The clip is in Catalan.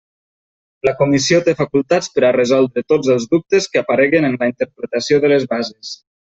La Comissió té facultats per a resoldre tots els dubtes que apareguen en la interpretació de les bases.